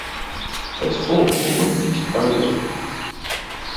There's talk of a women's pro-league.